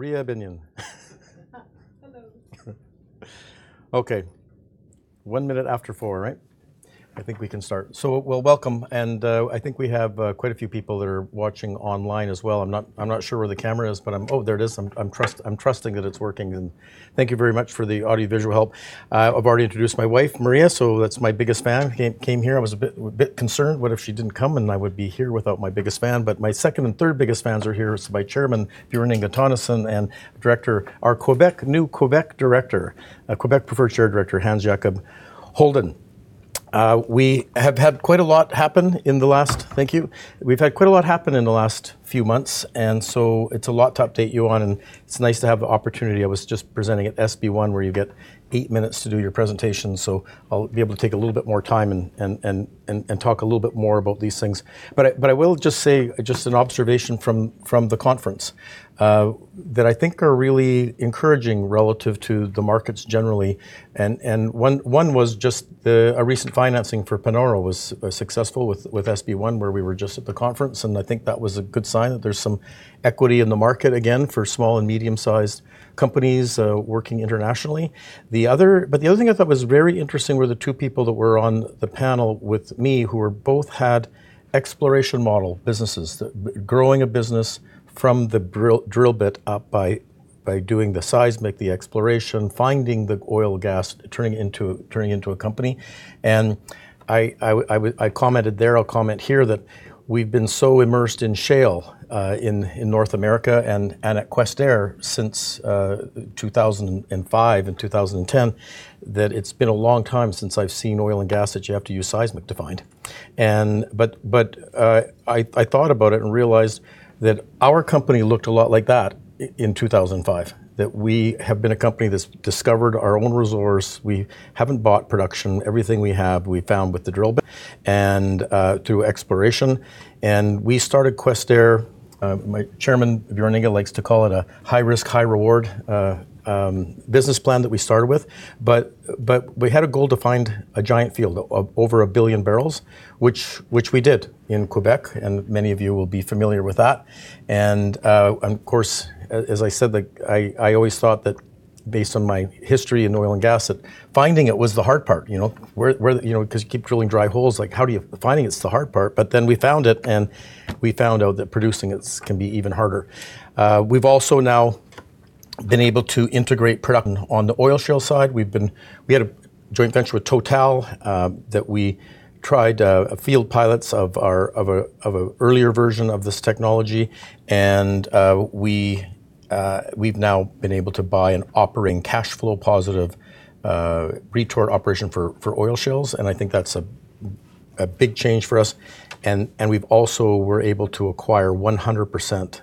Michael Binnion. Hello. Okay. One minute after four, right? I think we can start. Well, welcome, and I think we have quite a few people that are watching online as well. I'm not sure where the camera is, but I'm... Oh, there it is. I'm trusting that it's working, and thank you very much for the audiovisual help. I've already introduced my wife, Maria, that's my biggest fan. Came here. I was a bit concerned, what if she didn't come, and I would be here without my biggest fan? My second and third biggest fans are here. My Chairman, Bjorn Inge Tonnessen, and Director, our Quebec, new Quebec Director, Quebec preferred share Director, Hans Jacob Holden. We have had quite a lot happen in the last... Thank you. We've had quite a lot happen in the last few months, and so it's a lot to update you on, and it's nice to have the opportunity. I was just presenting at SB1, where you get eight minutes to do your presentation, so I'll be able to take a little bit more time and talk a little bit more about these things. I will just say, just an observation from the conference, that I think are really encouraging relative to the markets generally. One was just the... a recent financing for Panoro was successful with SB1, where we were just at the conference, and I think that was a good sign that there's some equity in the market again for small and medium-sized companies working internationally. The other thing I thought was very interesting were the two people that were on the panel with me, who both had exploration model businesses, growing a business from the drill bit up by doing the seismic, the exploration, finding the oil and gas, turning it into a company. I commented there, I'll comment here, that we've been so immersed in shale in North America and at Questerre since 2005 and 2010, that it's been a long time since I've seen oil and gas that you have to use seismic to find. I thought about it and realized that our company looked a lot like that in 2005. We have been a company that's discovered our own resource. We haven't bought production. Everything we have, we found with the drill bit and through exploration. We started Questerre, my Chairman, Bjorn Inge, likes to call it a high-risk, high-reward business plan that we started with. We had a goal to find a giant field, over 1 billion barrels, which we did in Quebec, many of you will be familiar with that. Of course, as I said, like I always thought that based on my history in oil and gas, that finding it was the hard part, you know? You know, 'cause you keep drilling dry holes, like Finding it is the hard part. We found it, and we found out that producing it can be even harder. We've also now been able to integrate production on the oil shale side. We had a joint venture with Total that we tried field pilots of a earlier version of this technology, and we've now been able to buy an operating cash flow positive retort operation for oil shales, and I think that's a big change for us. We've also were able to acquire 100%.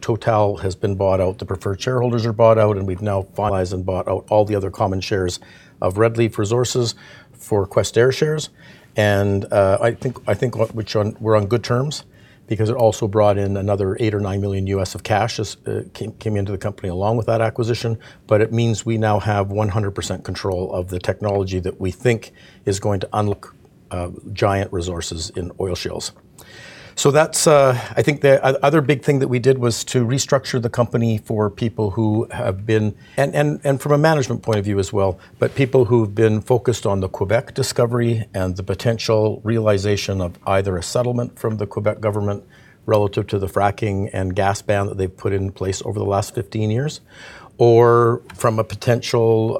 Total has been bought out, the preferred shareholders are bought out, and we've now finalized and bought out all the other common shares of Red Leaf Resources for Questerre shares. I think what... We're on good terms because it also brought in another $8 or $9 million of cash as came into the company along with that acquisition. It means we now have 100% control of the technology that we think is going to unlock giant resources in oil shales. That's. I think the other big thing that we did was to restructure the company for people who have been. From a management point of view as well, but people who've been focused on the Quebec discovery and the potential realization of either a settlement from the Quebec government relative to the fracking and gas ban that they've put in place over the last 15 years, or from a potential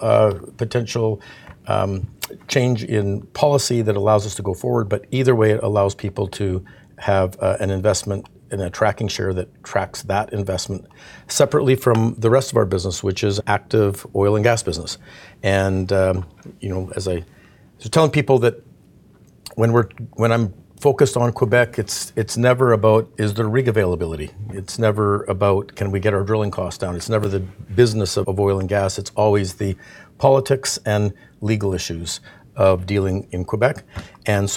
change in policy that allows us to go forward. Either way, it allows people to have an investment in a tracking share that tracks that investment separately from the rest of our business, which is active oil and gas business. You know, so telling people that when I'm focused on Quebec, it's never about, is there rig availability? It's never about, can we get our drilling costs down? It's never the business of oil and gas.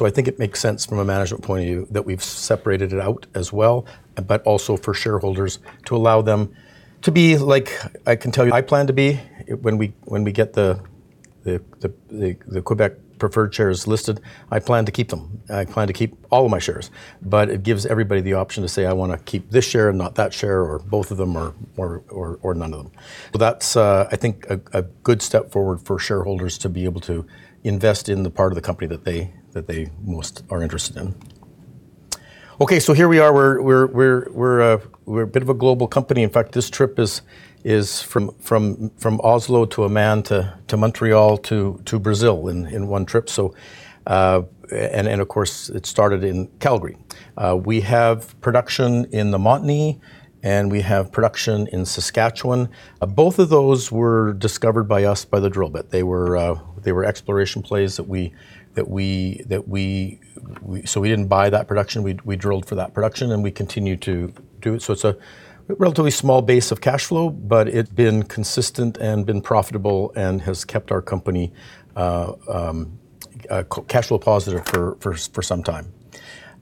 I think it makes sense from a management point of view that we've separated it out as well, but also for shareholders, to allow them to be like, I can tell you, I plan to be when we get the Quebec preferred shares listed. I plan to keep them. I plan to keep all of my shares. It gives everybody the option to say: I want to keep this share and not that share, or both of them, or none of them. That's, I think a good step forward for shareholders to be able to invest in the part of the company that they most are interested in. Okay, here we are. We're a bit of a global company. In fact, this trip is from Oslo to Amman, to Montreal, to Brazil in one trip. Of course, it started in Calgary. We have production in the Montney, and we have production in Saskatchewan. Both of those were discovered by us by the drill bit. They were exploration plays that we didn't buy that production. We drilled for that production, we continued to do it. It's a relatively small base of cash flow, it's been consistent and been profitable and has kept our company cash flow positive for some time.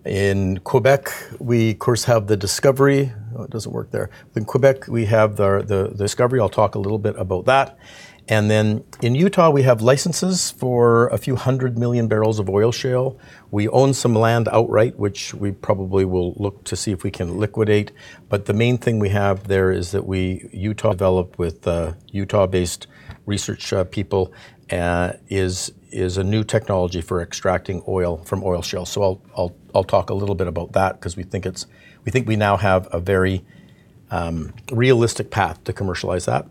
In Quebec, we of course have the discovery. Oh, it doesn't work there. In Quebec, we have the discovery. I'll talk a little bit about that. In Utah, we have licenses for a few 100 million barrels of oil shale. We own some land outright, which we probably will look to see if we can liquidate. The main thing we have there is that we... Utah developed with Utah-based research people is a new technology for extracting oil from oil shale. I'll talk a little bit about that 'cause we think we now have a very realistic path to commercialize that.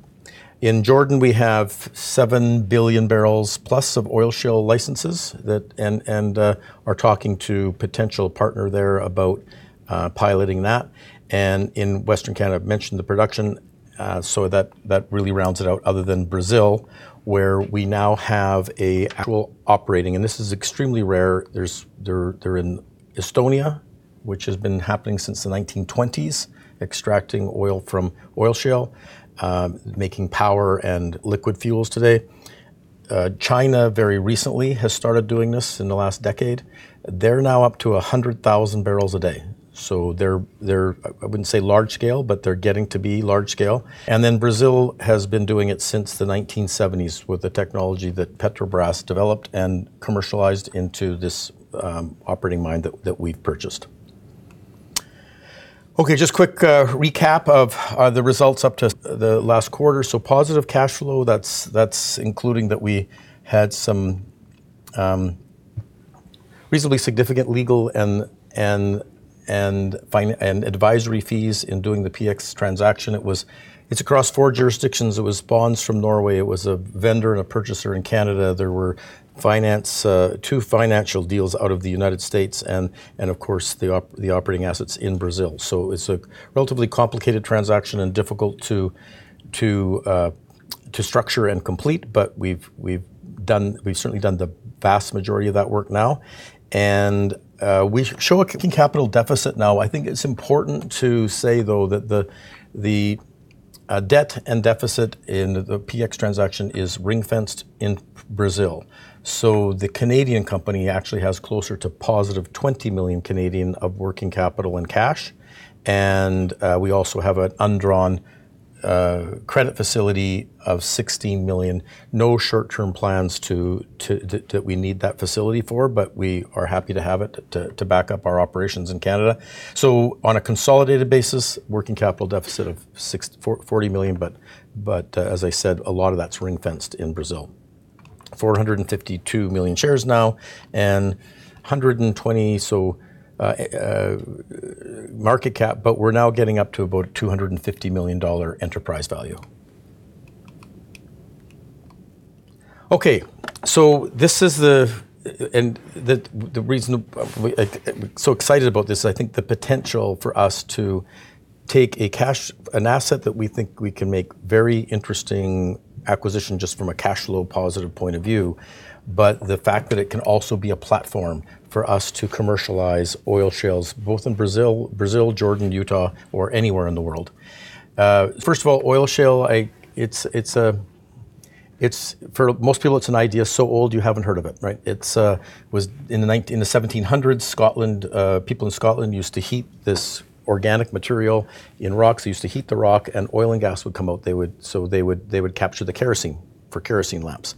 In Jordan, we have seven billion barrels plus of oil shale licenses that are talking to potential partner there about piloting that. In Western Canada, I mentioned the production, that really rounds it out, other than Brazil, where we now have a actual operating, and this is extremely rare. They're in Estonia, which has been happening since the 1920s, extracting oil from oil shale, making power and liquid fuels today. China very recently has started doing this in the last decade. They're now up to 100,000 barrels a day. They're, I wouldn't say large scale, but they're getting to be large scale. Brazil has been doing it since the 1970s with the technology that Petrobras developed and commercialized into this operating mine that we've purchased. Okay, just quick recap of the results up to the last quarter. Positive cash flow, that's including that we had some reasonably significant legal and advisory fees in doing the PX transaction. It's across four jurisdictions. It was bonds from Norway. It was a vendor and a purchaser in Canada. There were finance, two financial deals out of the United States and of course, the operating assets in Brazil. It's a relatively complicated transaction and difficult to structure and complete, but we've certainly done the vast majority of that work now. We show a working capital deficit now. I think it's important to say, though, that the debt and deficit in the PX transaction is ring-fenced in Brazil. The Canadian company actually has closer to positive 20 million of working capital and cash. We also have an undrawn credit facility of 16 million. No short-term plans to that we need that facility for, but we are happy to have it to back up our operations in Canada. On a consolidated basis, working capital deficit of 40 million, but as I said, a lot of that's ring-fenced in Brazil. 452 million shares now and 120... Market cap, but we're now getting up to about $250 million enterprise value. This is the, and the reason we're so excited about this, I think the potential for us to take an asset that we think we can make very interesting acquisition just from a cash flow positive point of view, but the fact that it can also be a platform for us to commercialize oil shales both in Brazil, Jordan, Utah, or anywhere in the world. First of all, oil shale, it's a, it's, for most people, it's an idea so old you haven't heard of it, right? It was in the 1700s, Scotland, people in Scotland used to heat this organic material in rocks. They used to heat the rock, and oil and gas would come out. They would capture the kerosene for kerosene lamps.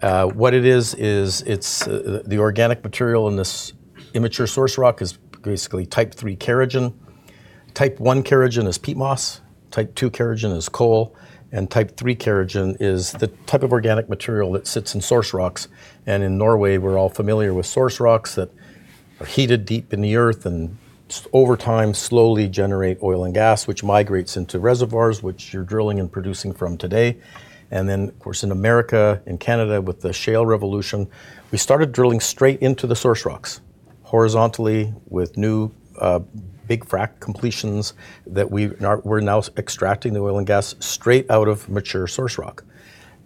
What it is it's the organic material in this immature source rock is basically Type III kerogen. Type I kerogen is peat moss, Type II kerogen is coal, and Type III kerogen is the type of organic material that sits in source rocks. In Norway, we're all familiar with source rocks that are heated deep in the earth and over time, slowly generate oil and gas, which migrates into reservoirs, which you're drilling and producing from today. Of course, in America and Canada with the shale revolution, we started drilling straight into the source rocks, horizontally with new, big frack completions, that we're now extracting the oil and gas straight out of mature source rock.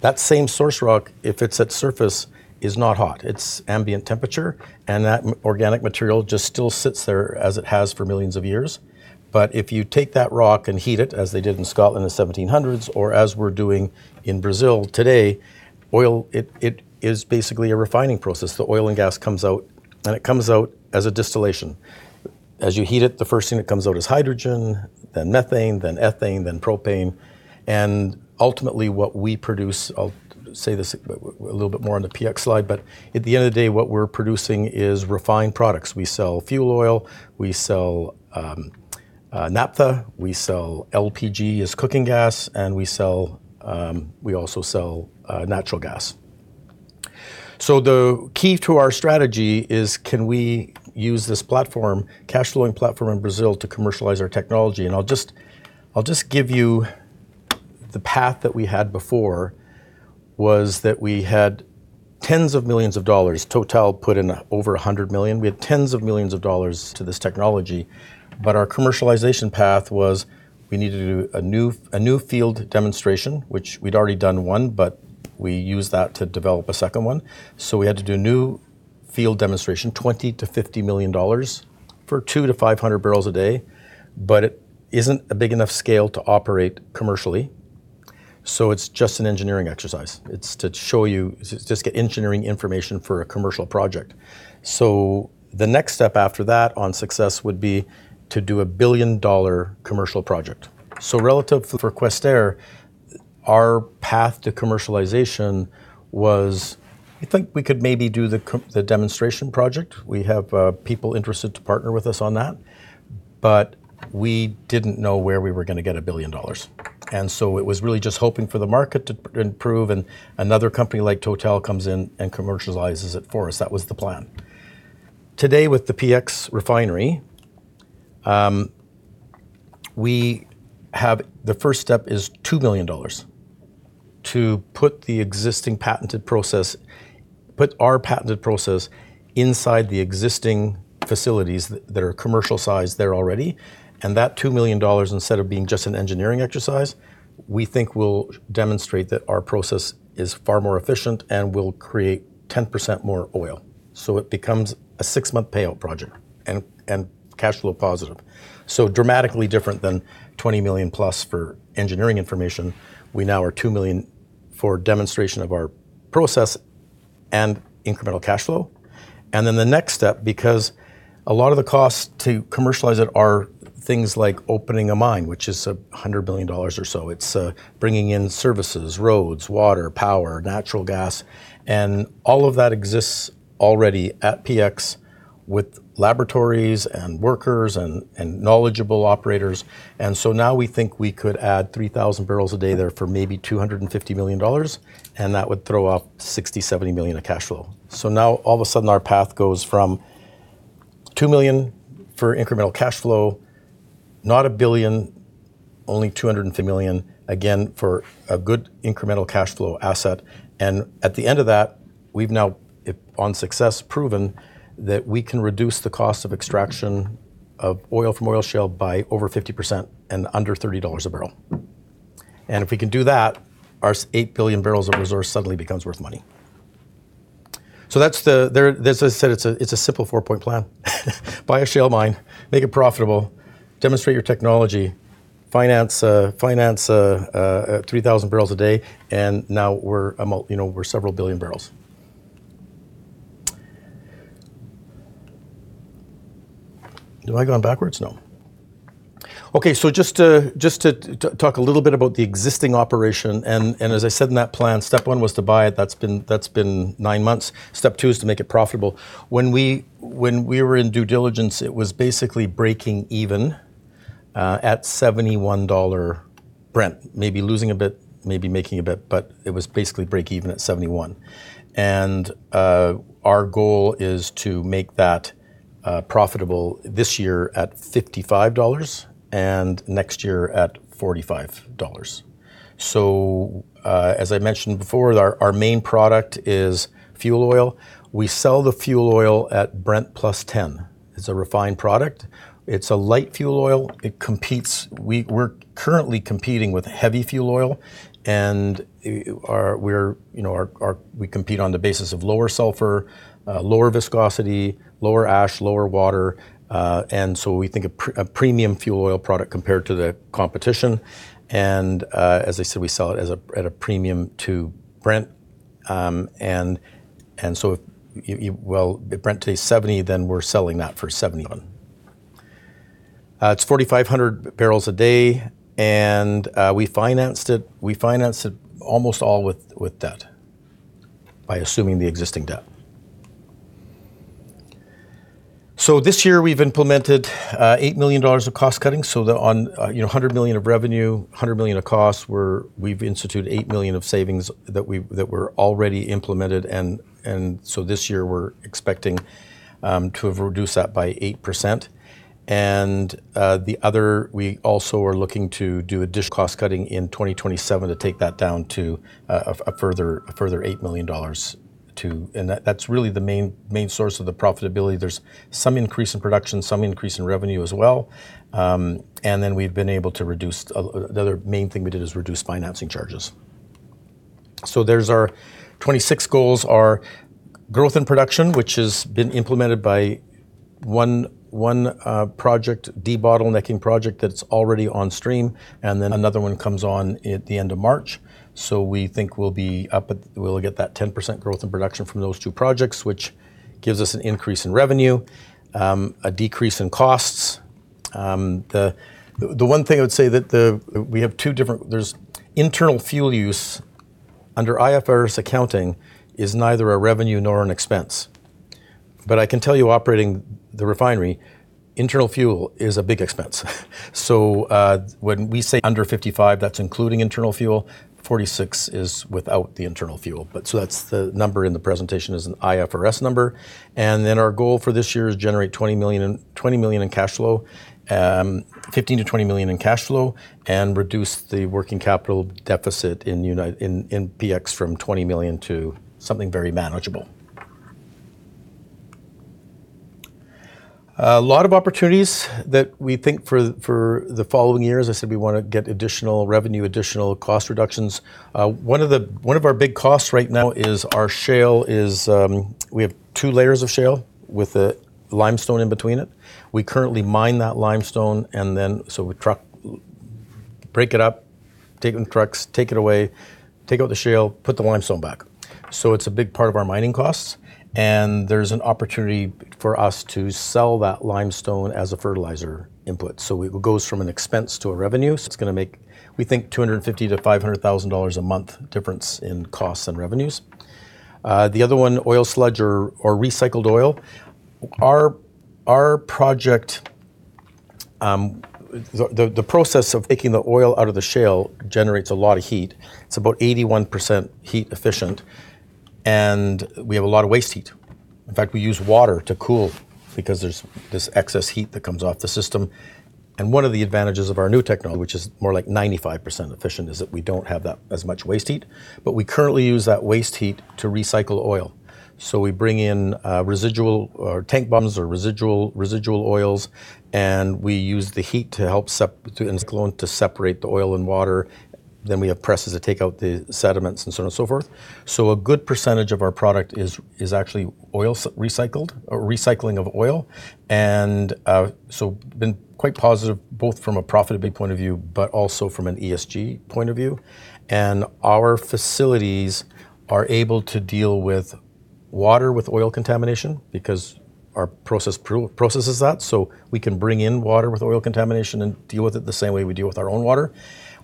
That same source rock, if it's at surface, is not hot. It's ambient temperature, and that organic material just still sits there as it has for millions of years. If you take that rock and heat it, as they did in Scotland in the 1700s or as we're doing in Brazil today, oil, it is basically a refining process. The oil and gas comes out, it comes out as a distillation. As you heat it, the first thing that comes out is hydrogen, then methane, then ethane, then propane, ultimately, what we produce... I'll say this a little bit more on the PX slide, at the end of the day, what we're producing is refined products. We sell fuel oil, we sell naphtha, we sell LPG as cooking gas, and we sell natural gas. The key to our strategy is: Can we use this platform, cash flowing platform in Brazil, to commercialize our technology? I'll just give you the path that we had before, was that we had tens of millions of dollars. Total put in over 100 million. We had tens of millions of dollars to this technology, but our commercialization path was we needed to do a new field demonstration, which we'd already done one, but we used that to develop a second one. We had to do a new field demonstration, 20 million-50 million dollars for 200-500 barrels a day, but it isn't a big enough scale to operate commercially. It's just an engineering exercise. It's to show you, it's just engineering information for a commercial project. The next step after that on success would be to do a 1 billion dollar commercial project. Relative for Questerre, our path to commercialization was, we think we could maybe do the demonstration project. We have people interested to partner with us on that, but we didn't know where we were gonna get 1 billion dollars. It was really just hoping for the market to improve and another company like Total comes in and commercializes it for us. That was the plan. Today, with the PX Refinery, we have... The first step is 2 million dollars to put the existing patented process, put our patented process inside the existing facilities that are commercial-sized there already. That 2 million dollars, instead of being just an engineering exercise, we think will demonstrate that our process is far more efficient and will create 10% more oil. It becomes a six-month payout project and cash flow positive. Dramatically different than 20 million+ for engineering information. We now are 2 million for demonstration of our process and incremental cash flow. The next step, because a lot of the costs to commercialize it are things like opening a mine, which is 100 billion dollars or so. It's bringing in services, roads, water, power, natural gas, and all of that exists already at PX with laboratories and workers and knowledgeable operators. Now we think we could add 3,000 barrels a day there for maybe $250 million, that would throw up $60 million-$70 million of cash flow. Now all of a sudden, our path goes from $2 million for incremental cash flow, not $1 billion, only $250 million, again, for a good incremental cash flow asset. At the end of that, we've now, if on success, proven that we can reduce the cost of extraction of oil from oil shale by over 50% and under $30 a barrel. If we can do that, our 8 billion barrels of resource suddenly becomes worth money. There, as I said, it's a simple four-point plan. Buy a shale mine, make it profitable, demonstrate your technology, finance 3,000 barrels a day, and now we're you know, we're several billion barrels. Am I going backwards? No. Okay, just to talk a little bit about the existing operation, and as I said in that plan, step one was to buy it. That's been nine months. Step two is to make it profitable. When we were in due diligence, it was basically breaking even at $71 Brent. Maybe losing a bit, maybe making a bit, but it was basically break even at $71. Our goal is to make that profitable this year at $55 and next year at $45. As I mentioned before, our main product is fuel oil. We sell the fuel oil at Brent plus $10. It's a refined product. It's a light fuel oil. We're currently competing with heavy fuel oil, you know, we're. We compete on the basis of lower sulfur, lower viscosity, lower ash, lower water, we think a premium fuel oil product compared to the competition. As I said, we sell it as a, at a premium to Brent. Well, if Brent today is $70, then we're selling that for $71. It's 4,500 barrels a day. We financed it. We financed it almost all with debt, by assuming the existing debt. This year we've implemented 8 million dollars of cost cutting, on 100 million of revenue, 100 million of costs, we've instituted 8 million of savings that were already implemented, this year we're expecting to have reduced that by 8%. We also are looking to do additional cost cutting in 2027 to take that down to a further 8 million dollars. That's really the main source of the profitability. There's some increase in production, some increase in revenue as well. The other main thing we did is reduce financing charges. There's our 2026 goals, are growth in production, which has been implemented by one project, debottlenecking project, that's already on stream, and then another one comes on at the end of March. We think we'll get that 10% growth in production from those two projects, which gives us an increase in revenue, a decrease in costs. The one thing I would say that we have two different, there's internal fuel use under IFRS accounting is neither a revenue nor an expense, but I can tell you operating the refinery, internal fuel is a big expense. When we say under 55, that's including internal fuel, 46 is without the internal fuel. That's the number in the presentation is an IFRS number. Our goal for this year is generate $20 million in cash flow, $15 million-$20 million in cash flow, and reduce the working capital deficit in PX from $20 million to something very manageable. A lot of opportunities that we think for the following years. I said we wanna get additional revenue, additional cost reductions. One of our big costs right now is our shale is, we have two layers of shale with a limestone in between it. We currently mine that limestone, we truck break it up, take it in trucks, take it away, take out the shale, put the limestone back. It's a big part of our mining costs, and there's an opportunity for us to sell that limestone as a fertilizer input. It goes from an expense to a revenue. It's gonna make, we think, 250,000-500,000 dollars a month difference in costs and revenues. The other one, oil sludge or recycled oil. Our project, the process of taking the oil out of the shale generates a lot of heat. It's about 81% heat efficient, and we have a lot of waste heat. In fact, we use water to cool because there's this excess heat that comes off the system. One of the advantages of our new technology, which is more like 95% efficient, is that we don't have as much waste heat, but we currently use that waste heat to recycle oil. We bring in residual or tank bottoms or residual oils, and we use the heat to help to separate the oil and water. We have presses that take out the sediments, and so on and so forth. A good percentage of our product is actually oil recycled, recycling of oil, been quite positive, both from a profitability point of view, but also from an ESG point of view. Our facilities are able to deal with water with oil contamination because our process processes that, so we can bring in water with oil contamination and deal with it the same way we deal with our own water.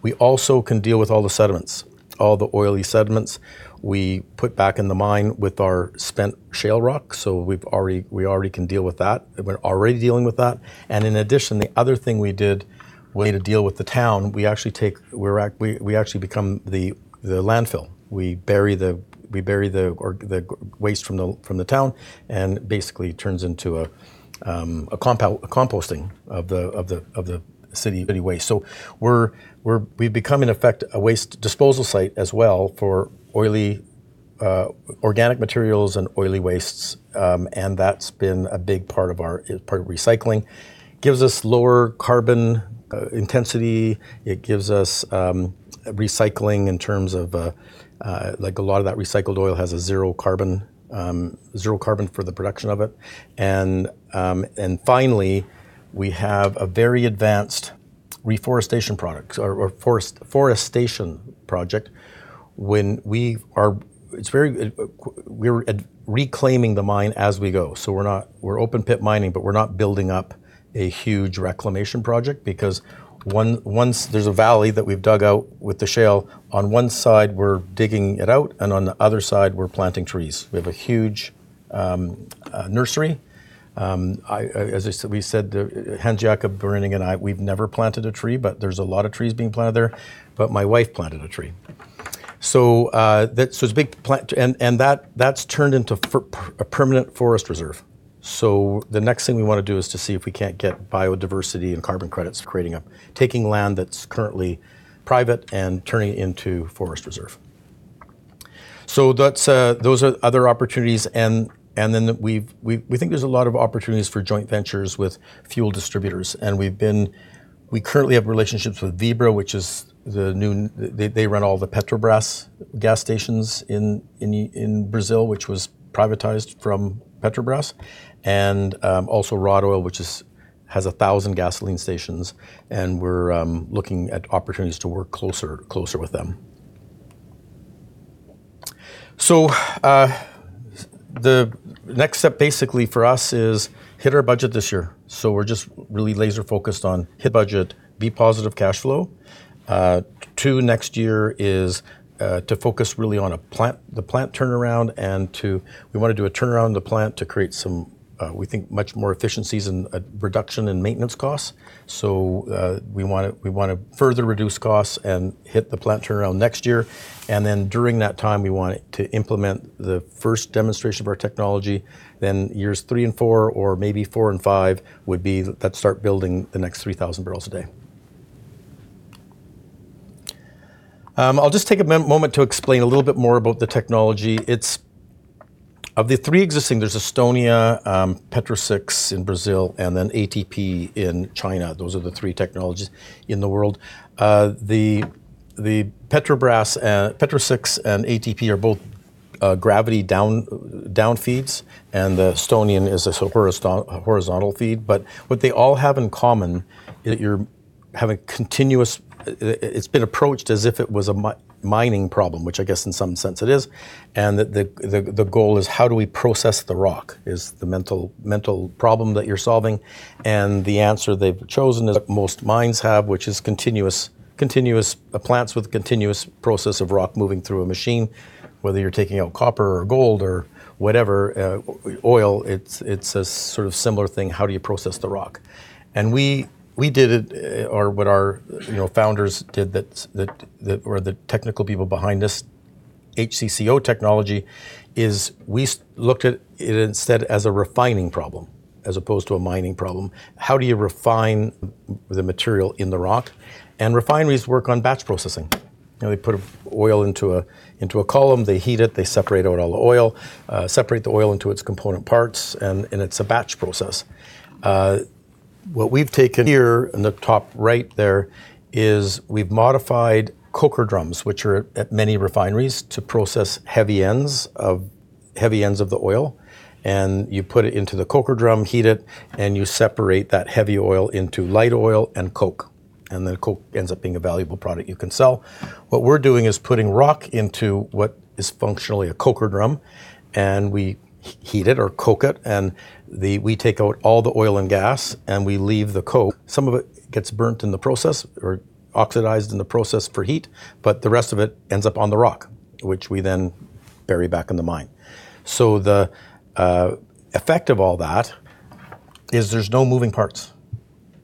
We also can deal with all the sediments. All the oily sediments we put back in the mine with our spent shale rock, so we already can deal with that. We're already dealing with that. In addition, the other thing we did, way to deal with the town, we actually become the landfill. We bury the waste from the town, and basically it turns into a composting of the city waste. We've become, in effect, a waste disposal site as well for oily organic materials and oily wastes, and that's been a big part of our part of recycling. Gives us lower carbon intensity, it gives us recycling in terms of like a lot of that recycled oil has a zero carbon zero carbon for the production of it. Finally, we have a very advanced reforestation product or forestation project. It's very, we're reclaiming the mine as we go. We're open-pit mining, but we're not building up a huge reclamation project, because once there's a valley that we've dug out with the shale, on one side, we're digging it out, and on the other side, we're planting trees. We have a huge nursery. I, as I said, we said, Hans Jacob, Bjorn Inge, and I, we've never planted a tree, but there's a lot of trees being planted there, but my wife planted a tree. It's a big plant. That, that's turned into a permanent forest reserve. The next thing we wanna do is to see if we can't get biodiversity and carbon credits, creating taking land that's currently private and turning it into forest reserve. That's those are other opportunities, we think there's a lot of opportunities for joint ventures with fuel distributors, we currently have relationships with Vibra, which is the new... They run all the Petrobras gas stations in Brazil, which was privatized from Petrobras, also Rodoil, which has 1,000 gasoline stations, and we're looking at opportunities to work closer with them. The next step basically for us is hit our budget this year. We're just really laser focused on hit budget, be positive cash flow. Two, next year is to focus really on the plant turnaround. We wanna do a turnaround of the plant to create some, we think, much more efficiencies and a reduction in maintenance costs. We wanna further reduce costs and hit the plant turnaround next year. During that time, we want it to implement the first demonstration of our technology. Years three and four, or maybe four and five, would be let's start building the next 3,000 barrels a day. I'll just take a moment to explain a little bit more about the technology. Of the three existing, there's Estonia, Petrosix in Brazil, and ATP in China. Those are the three technologies in the world. The Petrobras Petrosix and ATP are both gravity down feeds, and the Estonian is a horizontal feed. What they all have in common is that you're having continuous, it's been approached as if it was a mining problem, which I guess in some sense it is. The goal is: how do we process the rock? Is the mental problem that you're solving. The answer they've chosen, that most mines have, which is continuous plants with continuous process of rock moving through a machine, whether you're taking out copper or gold or whatever oil, it's a sort of similar thing. How do you process the rock? We did it, or what our, you know, founders did, that's that... or the technical people behind this HCCO technology is, we looked at it instead as a refining problem, as opposed to a mining problem. How do you refine the material in the rock? Refineries work on batch processing, and they put a oil into a, into a column, they heat it, they separate out all the oil, separate the oil into its component parts, and it's a batch process. What we've taken here in the top right there is, we've modified coker drums, which are at many refineries, to process heavy ends of the oil, and you put it into the coker drum, heat it, and you separate that heavy oil into light oil and coke, then coke ends up being a valuable product you can sell. What we're doing is putting rock into what is functionally a coker drum, and we heat it or coke it, and we take out all the oil and gas, and we leave the coke. Some of it gets burnt in the process or oxidized in the process for heat, but the rest of it ends up on the rock, which we then bury back in the mine. The effect of all that is there's no moving parts.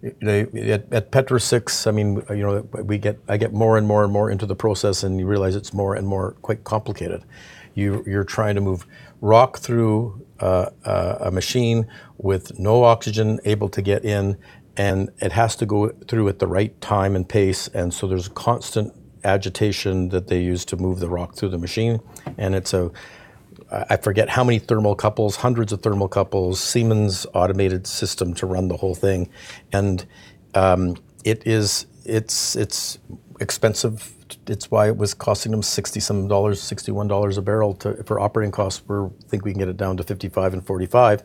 At Petrosix, I mean, you know, I get more and more into the process, and you realize it's more and more quite complicated. You're trying to move rock through a machine with no oxygen able to get in, and it has to go through at the right time and pace. There's constant agitation that they use to move the rock through the machine. It's a I forget how many thermocouples, hundreds of thermocouples, Siemens automated system to run the whole thing. It's expensive. It's why it was costing them $60 some, $61 a barrel for operating costs. We think we can get it down to $55 and $45.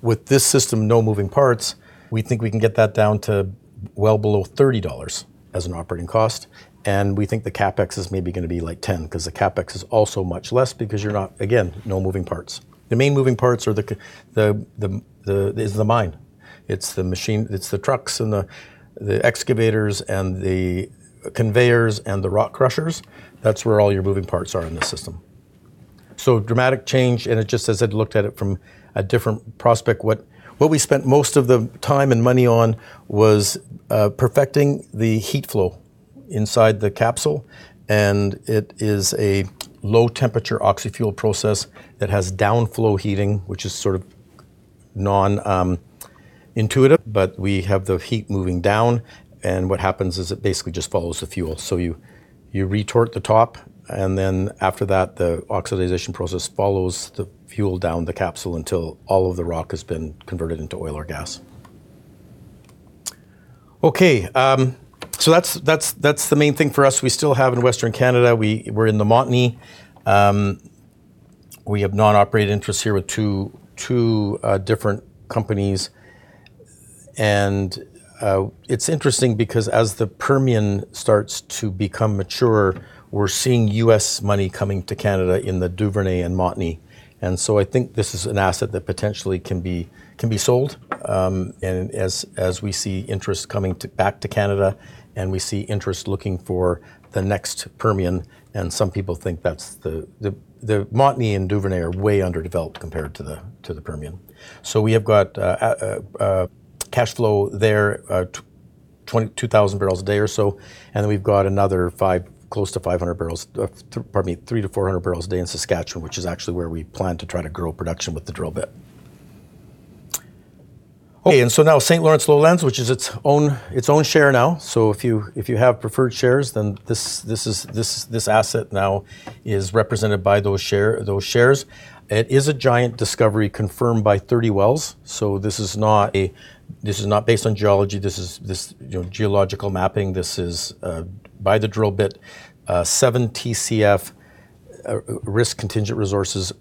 With this system, no moving parts, we think we can get that down to well below $30 as an operating cost, and we think the CapEx is maybe gonna be $10, 'cause the CapEx is also much less because you're not again, no moving parts. The main moving parts are the is the mine. It's the machine, it's the trucks and the excavators and the conveyors and the rock crushers. That's where all your moving parts are in the system. Dramatic change, and it just as I'd looked at it from a different prospect, what we spent most of the time and money on was perfecting the heat flow inside the capsule, and it is a low-temperature oxy-fuel process that has down-flow heating, which is sort of non-intuitive, but we have the heat moving down, and what happens is it basically just follows the fuel. You retort the top, and then after that, the oxidization process follows the fuel down the capsule until all of the rock has been converted into oil or gas. That's the main thing for us. We still have in Western Canada, we're in the Montney. We have non-operated interests here with two different companies. It's interesting because as the Permian starts to become mature, we're seeing U.S. money coming to Canada in the Duvernay and Montney. I think this is an asset that potentially can be sold, and as we see interest coming back to Canada, and we see interest looking for the next Permian, and some people think that's the Montney and Duvernay are way underdeveloped compared to the Permian. We have got cash flow there, 22,000 barrels a day or so, and then we've got another close to 500 barrels, pardon me, 300-400 barrels a day in Saskatchewan, which is actually where we plan to try to grow production with the drill bit. Now St. Lawrence Lowlands, which is its own, its own share now. If you, if you have preferred shares, then this asset now is represented by those shares. It is a giant discovery confirmed by 30 wells, this is not based on geology, this, you know, geological mapping. This is by the drill bit, 7 TCF, risk contingent resources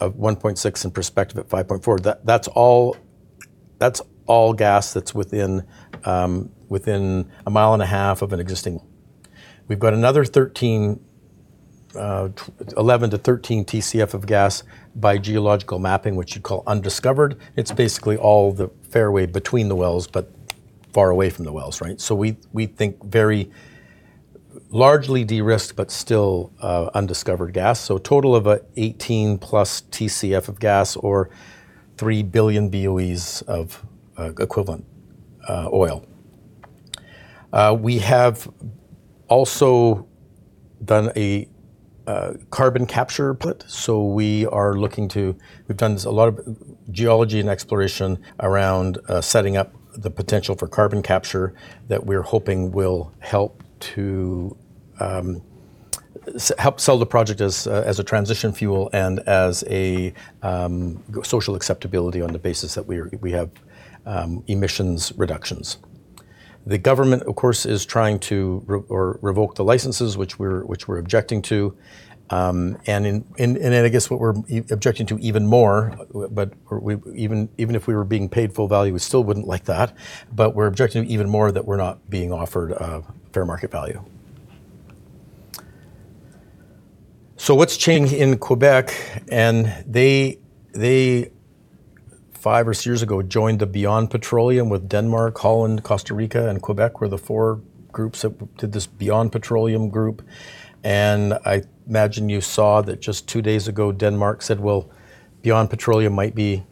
of 1.6 and prospective at 5.4. That's all gas that's within a mile and a half of an existing. We've got another 11 to 13 TCF of gas by geological mapping, which you'd call undiscovered. It's basically all the fairway between the wells, but far away from the wells, right? We think very largely de-risked, but still undiscovered gas. A total of 18 plus TCF of gas or 3 billion BOEs of equivalent oil. We have also done a carbon capture pilot. We've done this, a lot of geology and exploration around setting up the potential for carbon capture that we're hoping will help to help sell the project as a transition fuel and as a social acceptability on the basis that we have emissions reductions. The government, of course, is trying to revoke the licenses, which we're objecting to. I guess what we're objecting to even more, but even if we were being paid full value, we still wouldn't like that, but we're objecting even more that we're not being offered a fair market value. What's changed in Quebec? They, five or six years ago, joined the Beyond Petroleum with Denmark, Holland, Costa Rica, and Quebec, were the four groups that did this Beyond Petroleum group. I imagine you saw that just two days ago, Denmark said, "Well, Beyond Petroleum might be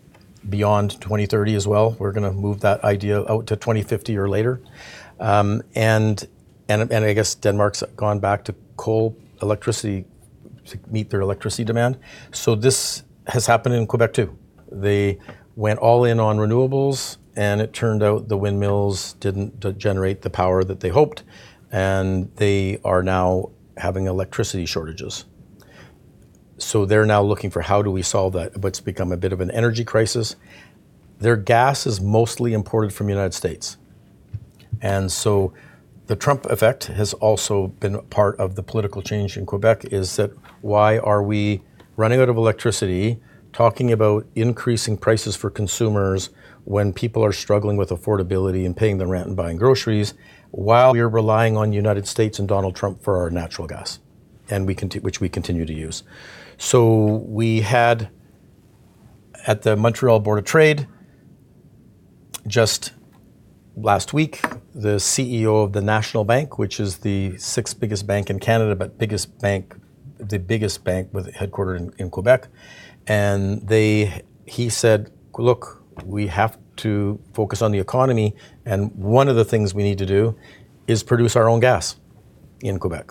beyond 2030 as well. We're gonna move that idea out to 2050 or later." I guess Denmark's gone back to coal electricity to meet their electricity demand. This has happened in Quebec, too. They went all in on renewables, and it turned out the windmills didn't generate the power that they hoped, and they are now having electricity shortages. They're now looking for, "How do we solve that?" What's become a bit of an energy crisis. Their gas is mostly imported from the United States. The Trump effect has also been a part of the political change in Quebec, is that why are we running out of electricity, talking about increasing prices for consumers when people are struggling with affordability and paying the rent and buying groceries, while we are relying on United States and Donald Trump for our natural gas, which we continue to use? We had, at the Montreal Board of Trade, just last week, the CEO of the National Bank, which is the sixth biggest bank in Canada, the biggest bank with a headquarter in Quebec, he said, "Look, we have to focus on the economy, and one of the things we need to do is produce our own gas in Quebec."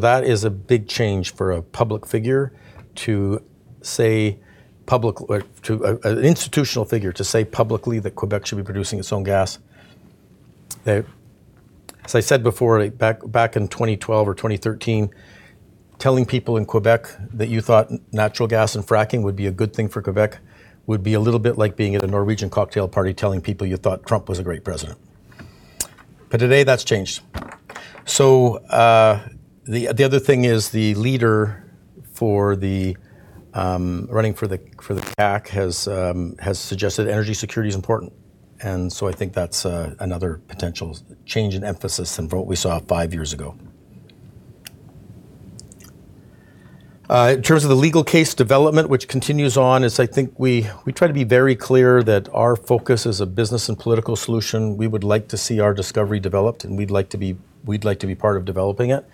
That is a big change for a public figure to say publicly or to an institutional figure to say publicly that Quebec should be producing its own gas. As I said before, back in 2012 or 2013, telling people in Quebec that you thought natural gas and fracking would be a good thing for Quebec, would be a little bit like being at a Norwegian cocktail party telling people you thought Trump was a great president. Today that's changed. The other thing is, the leader for the running for the CAQ has suggested energy security is important, and so I think that's another potential change in emphasis than from what we saw five years ago. In terms of the legal case development, which continues on, is I think we try to be very clear that our focus is a business and political solution. We would like to see our discovery developed, and we'd like to be part of developing it.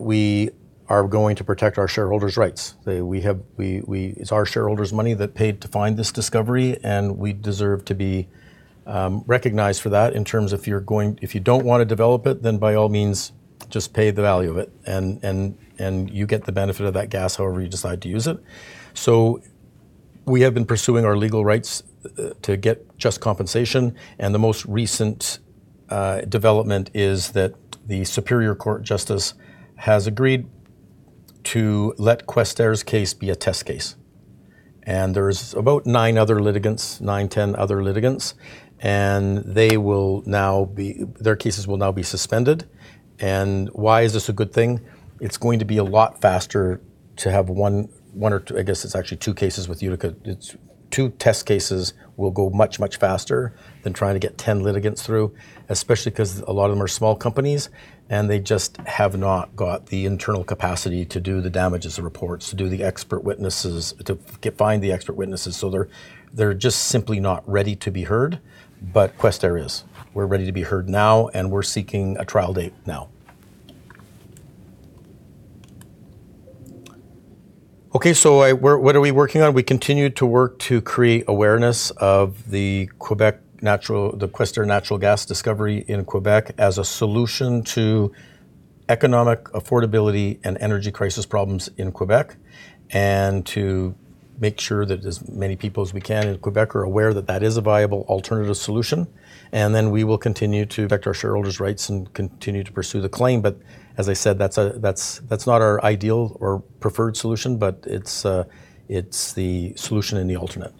We are going to protect our shareholders' rights. We have... It's our shareholders' money that paid to find this discovery, and we deserve to be recognized for that in terms of if you don't want to develop it, then, by all means, just pay the value of it, and you get the benefit of that gas however you decide to use it. We have been pursuing our legal rights to get just compensation, and the most recent development is that the Superior Court justice has agreed to let Questerre's case be a test case. There's about 9 other litigants, 9, 10 other litigants, and their cases will now be suspended. Why is this a good thing? It's going to be a lot faster to have one or 2. I guess it's actually 2 cases with Utica. It's two test cases will go much, much faster than trying to get 10 litigants through, especially 'cause a lot of them are small companies, and they just have not got the internal capacity to do the damages, the reports, to do the expert witnesses, to find the expert witnesses. They're just simply not ready to be heard, but Questerre is. We're ready to be heard now, and we're seeking a trial date now. Okay, what are we working on? We continue to work to create awareness of the Questerre natural gas discovery in Quebec as a solution to economic affordability and energy crisis problems in Quebec, to make sure that as many people as we can in Quebec are aware that that is a viable alternative solution, we will continue to protect our shareholders' rights and continue to pursue the claim. As I said, that's not our ideal or preferred solution, it's the solution and the alternate.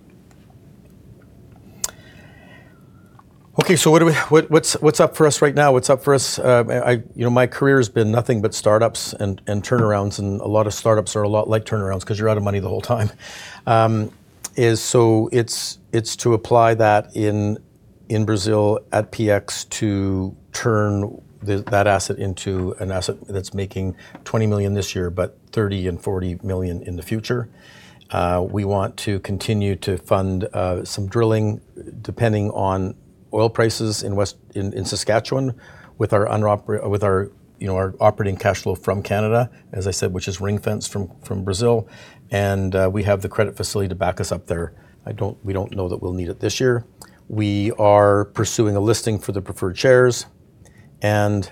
What's up for us right now? What's up for us? You know, my career has been nothing but startups and turnarounds, a lot of startups are a lot like turnarounds 'cause you're out of money the whole time. It's to apply that in Brazil at PX to turn that asset into an asset that's making 20 million this year, but 30 million and 40 million in the future. We want to continue to fund some drilling, depending on oil prices in Saskatchewan with our, you know, our operating cash flow from Canada, as I said, which is ring-fence from Brazil, and we have the credit facility to back us up there. We don't know that we'll need it this year. We are pursuing a listing for the preferred shares, and,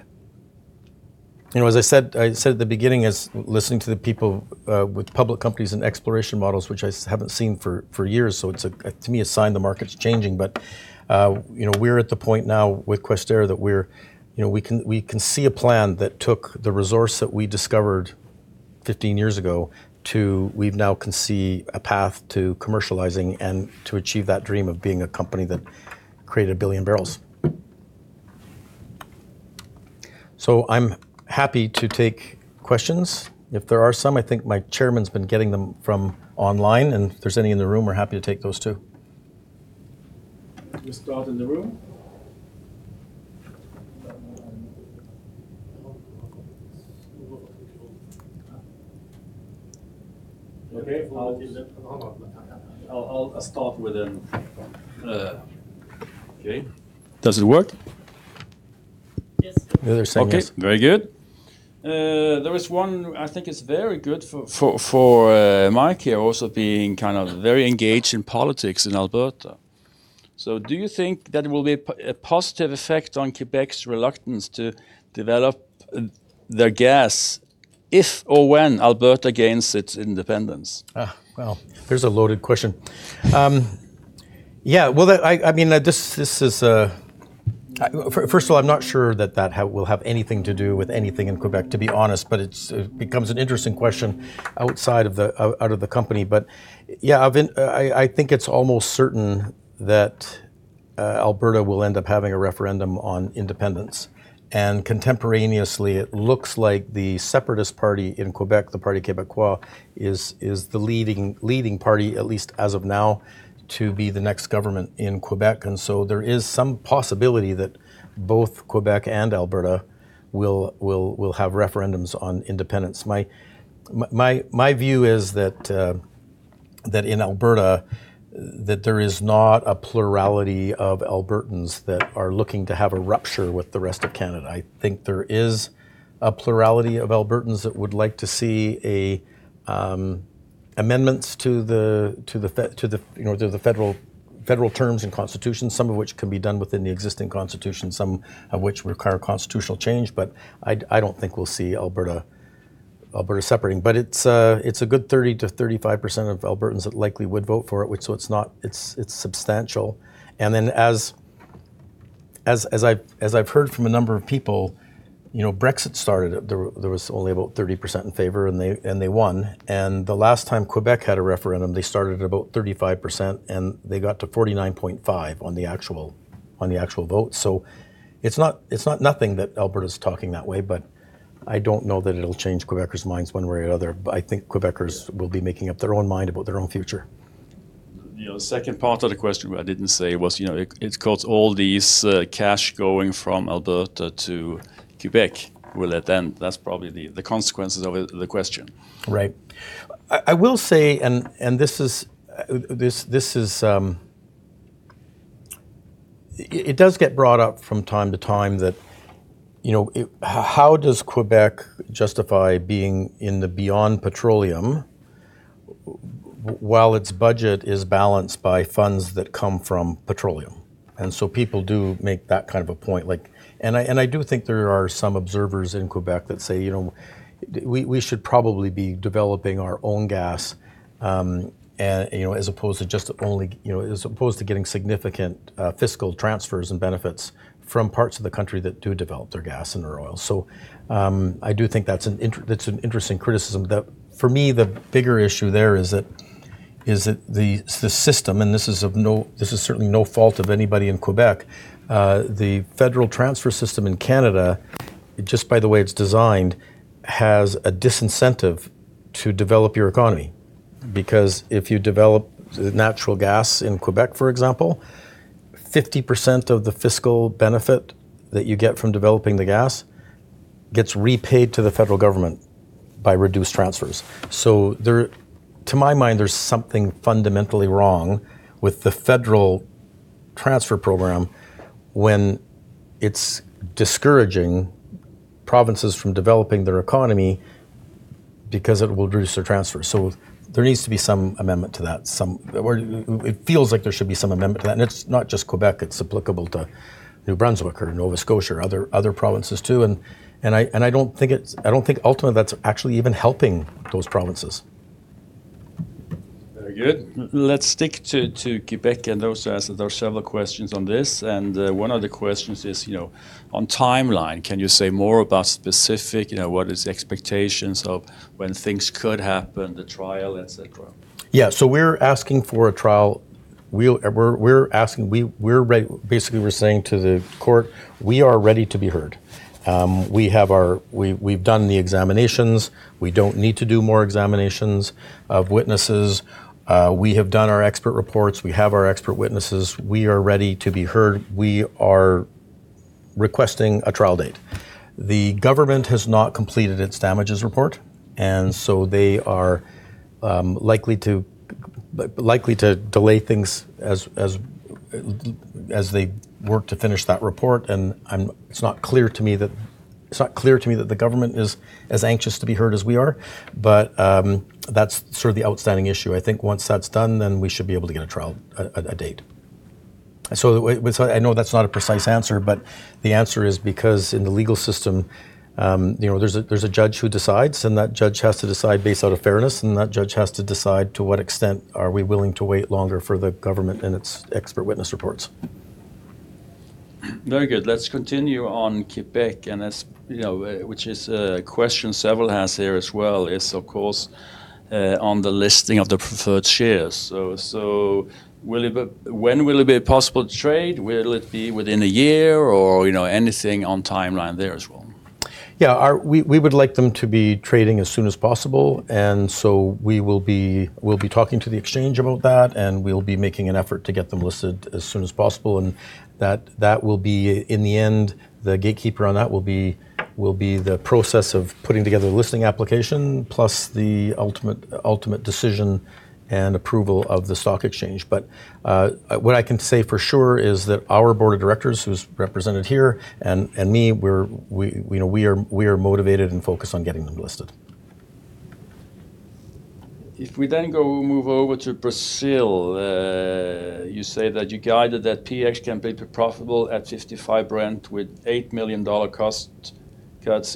you know, as I said at the beginning, is listening to the people with public companies and exploration models, which I haven't seen for years, so it's a, to me, a sign the market's changing. You know, we're at the point now with Questerre that we're, you know, we can see a plan that took the resource that we discovered 15 years ago we've now can see a path to commercializing and to achieve that dream of being a company that created 1 billion barrels. I'm happy to take questions if there are some. I think my chairman's been getting them from online, and if there's any in the room, we're happy to take those, too. We start in the room. Okay. Okay. Does it work? Yes. The other second, yes. Okay, very good. there is one I think it's very good for my care also, being kind of very engaged in politics in Alberta. Do you think that it will be a positive effect on Quebec's reluctance to develop their gas if or when Alberta gains its independence? Well, there's a loaded question. Yeah, well, I mean, first of all, I'm not sure that will have anything to do with anything in Quebec, to be honest, but it's an interesting question outside of the company. Yeah, I've been, I think it's almost certain that Alberta will end up having a referendum on independence. Contemporaneously, it looks like the separatist party in Quebec, the Parti Québécois, is the leading party, at least as of now, to be the next government in Quebec. There is some possibility that both Quebec and Alberta will have referendums on independence. My, my view is that in Alberta, that there is not a plurality of Albertans that are looking to have a rupture with the rest of Canada. I think there is a plurality of Albertans that would like to see amendments to the, you know, to the federal terms and Constitution, some of which can be done within the existing Constitution, some of which require constitutional change. I don't think we'll see Alberta separating. It's a good 30%-35% of Albertans that likely would vote for it. It's substantial. As I've heard from a number of people, you know, Brexit started, there was only about 30% in favor, and they won. The last time Quebec had a referendum, they started at about 35%, and they got to 49.5 on the actual, on the actual vote. It's not, it's not nothing that Alberta is talking that way, but I don't know that it'll change Quebecers' minds one way or other. I think Quebecers will be making up their own mind about their own future. You know, the second part of the question, but I didn't say was, you know, it's caused all these cash going from Alberta to Quebec will it end? That's probably the consequences of it, the question. Right. I will say, and this is, it does get brought up from time to time that, you know, it how does Quebec justify being in the beyond petroleum while its budget is balanced by funds that come from petroleum? People do make that kind of a point, like... I do think there are some observers in Quebec that say: "You know, we should probably be developing our own gas, and, you know, as opposed to just only as opposed to getting significant fiscal transfers and benefits from parts of the country that do develop their gas and their oil." I do think that's an interesting criticism that for me, the bigger issue there is that the system, and this is certainly no fault of anybody in Quebec. The federal transfer system in Canada, just by the way it's designed, has a disincentive to develop your economy. Because if you develop natural gas in Quebec, for example, 50% of the fiscal benefit that you get from developing the gas gets repaid to the federal government by reduced transfers. To my mind, there's something fundamentally wrong with the federal transfer program when it's discouraging provinces from developing their economy because it will reduce their transfers. There needs to be some amendment to that. Well, it feels like there should be some amendment to that. It's not just Quebec, it's applicable to New Brunswick or Nova Scotia or other provinces, too. I don't think ultimately, that's actually even helping those provinces. Very good. Let's stick to Quebec and those as there are several questions on this. One of the questions is, you know, on timeline, can you say more about specific, you know, what is the expectations of when things could happen, the trial, et cetera? Yeah. We're asking for a trial. We're asking, basically, we're saying to the court: "We are ready to be heard." We've done the examinations. We don't need to do more examinations of witnesses. We have done our expert reports. We have our expert witnesses. We are ready to be heard. We are requesting a trial date. The government has not completed its damages report, they are likely to delay things as they work to finish that report. It's not clear to me that the government is as anxious to be heard as we are, but that's sort of the outstanding issue. I think once that's done, then we should be able to get a trial, a date. I know that's not a precise answer, but the answer is because in the legal system, you know, there's a judge who decides, and that judge has to decide based out of fairness, and that judge has to decide to what extent are we willing to wait longer for the government and its expert witness reports. Very good. Let's continue on Quebec. As you know, which is, question several has here as well, is, of course, on the listing of the preferred shares. When will it be possible to trade? Will it be within a year or, you know, anything on timeline there as well? Yeah. We would like them to be trading as soon as possible, we'll be talking to the exchange about that, we'll be making an effort to get them listed as soon as possible. That will be, in the end, the gatekeeper on that will be the process of putting together the listing application, plus the ultimate decision and approval of the stock exchange. What I can say for sure is that our Board of Directors, who's represented here, and me, we're, you know, we are motivated and focused on getting them listed. If we then go move over to Brazil, you say that you guided that PX can be profitable at $0.55 with $8 million cuts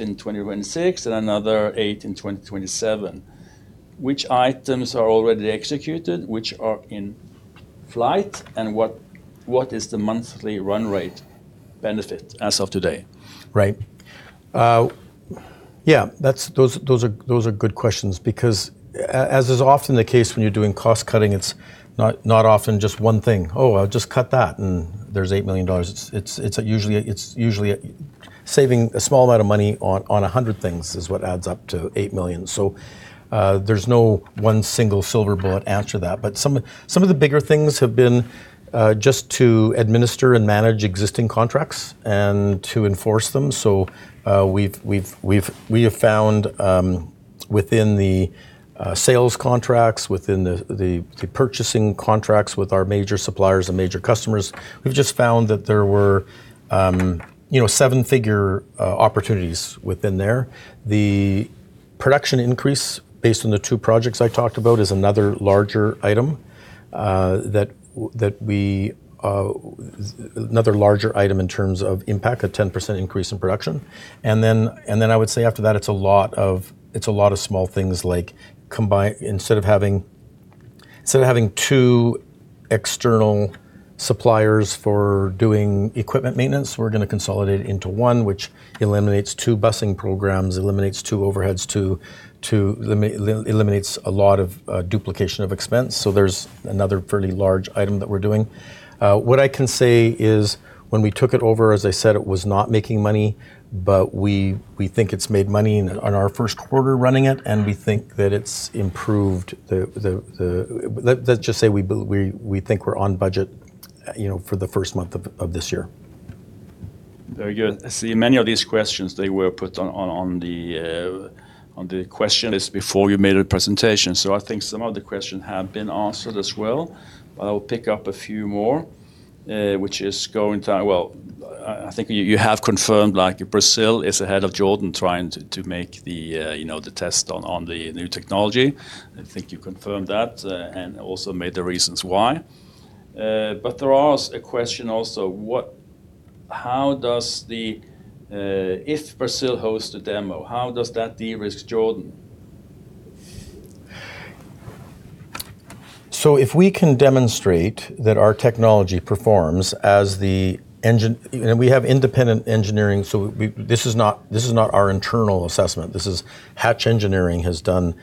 in 2026 and another $8 million in 2027. Which items are already executed, which are in flight, and what is the monthly run rate benefit as of today? Right. Yeah, those are good questions because as is often the case when you're doing cost cutting, it's not often just one thing. "Oh, I'll just cut that," and there's $8 million. It's usually a saving a small amount of money on 100 things is what adds up to $8 million. There's no one single silver bullet answer to that. Some of the bigger things have been just to administer and manage existing contracts and to enforce them. We have found, within the sales contracts, within the purchasing contracts with our major suppliers and major customers, we've just found that there were, you know, seven-figure opportunities within there. The production increase, based on the two projects I talked about, is another larger item. Another larger item in terms of impact, a 10% increase in production. Then I would say after that, it's a lot of, it's a lot of small things like instead of having two external suppliers for doing equipment maintenance, we're gonna consolidate into one, which eliminates two busing programs, eliminates two overheads, eliminates a lot of duplication of expense. There's another fairly large item that we're doing. What I can say is, when we took it over, as I said, it was not making money, but we think it's made money in, on our first quarter running it, and we think that it's improved the... Let's just say we think we're on budget, you know, for the first month of this year. Very good. I see many of these questions, they were put on the question list before you made a presentation. I think some of the questions have been answered as well. I will pick up a few more. Well, I think you have confirmed, like Brazil is ahead of Jordan, trying to make the, you know, the test on the new technology. I think you confirmed that and also made the reasons why. There are a question also: How does the if Brazil hosts the demo, how does that de-risk Jordan? If we can demonstrate that our technology performs as the engine. We have independent engineering, so we, this is not our internal assessment. This is Hatch Engineering has done,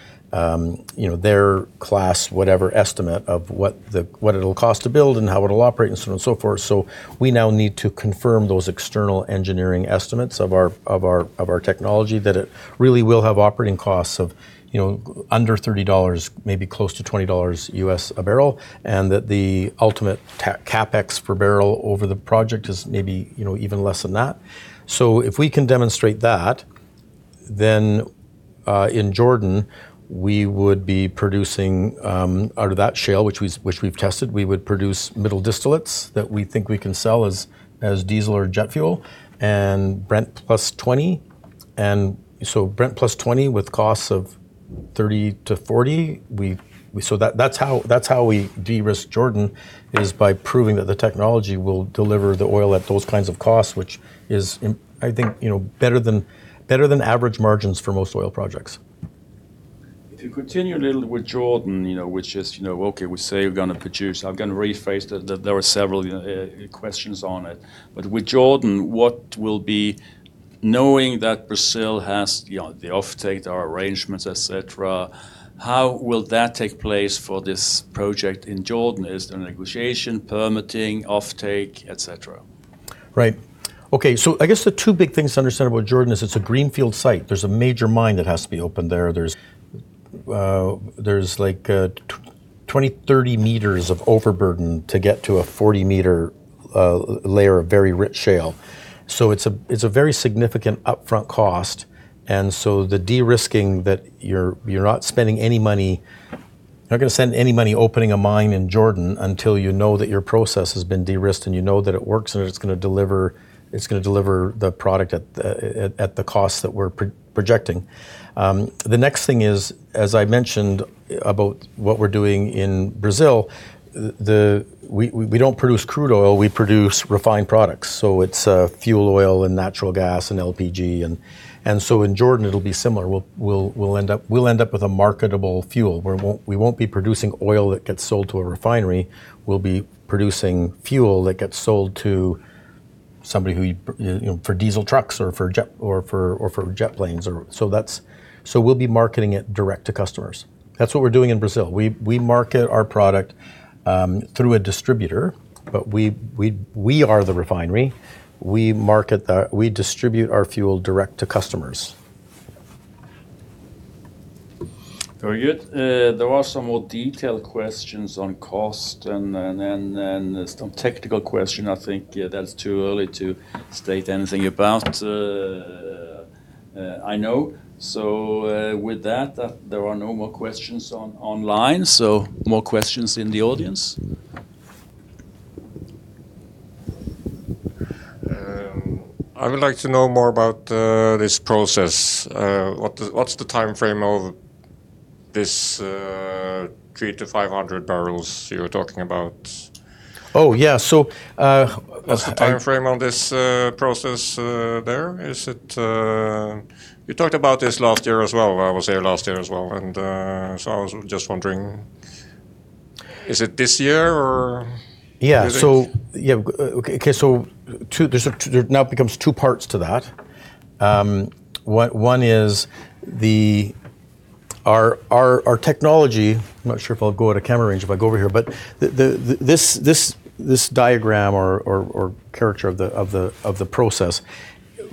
you know, their class, whatever estimate of what it'll cost to build and how it'll operate and so on and so forth. We now need to confirm those external engineering estimates of our technology, that it really will have operating costs of, you know, under $30, maybe close to $20 U.S. a barrel, and that the ultimate CapEx per barrel over the project is maybe, you know, even less than that. If we can demonstrate that, in Jordan, we would be producing out of that shale, which we've tested, we would produce middle distillates that we think we can sell as diesel or jet fuel, and Brent plus 20. Brent plus 20, with costs of 30 to 40, that's how we de-risk Jordan, is by proving that the technology will deliver the oil at those kinds of costs, which is I think, you know, better than average margins for most oil projects. To continue a little with Jordan, you know, which is, you know, okay, we say you're gonna produce. I'm gonna rephrase that there were several questions on it. With Jordan, Knowing that Brazil has, you know, the off-take, there are arrangements, et cetera, how will that take place for this project in Jordan? Is there negotiation, permitting, off-take, et cetera? Right. Okay, I guess the two big things to understand about Jordan is it's a greenfield site. There's a major mine that has to be opened there. There's like 20, 30 meters of overburden to get to a 40-meter layer of very rich shale. It's a very significant upfront cost, and so the de-risking that you're not spending any money... You're not gonna spend any money opening a mine in Jordan until you know that your process has been de-risked, and you know that it works, and it's gonna deliver the product at the cost that we're projecting. The next thing is, as I mentioned about what we're doing in Brazil, we don't produce crude oil, we produce refined products, so it's fuel oil and natural gas and LPG. In Jordan, it'll be similar. We'll end up with a marketable fuel. We won't be producing oil that gets sold to a refinery. We'll be producing fuel that gets sold to somebody who, you know, for diesel trucks or for jet planes. We'll be marketing it direct to customers. That's what we're doing in Brazil. We market our product through a distributor, we are the refinery. We distribute our fuel direct to customers. Very good. There are some more detailed questions on cost and some technical question. I think that's too early to state anything about, I know. With that, there are no more questions online, so more questions in the audience? I would like to know more about this process. What's the time-frame of this 300-500 barrels you were talking about? Oh, yeah. what's the time- Time-frame on this process there? Is it... You talked about this last year as well. I was here last year as well, and so I was just wondering, is it this year? Yeah. Is it? Yeah, okay. There now becomes two parts to that. One is the. Our technology, I'm not sure if I'll go out of camera range if I go over here, but the, this diagram or character of the process,